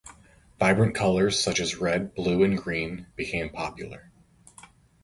Vibrant colors, such as red, blue, and green, became popular.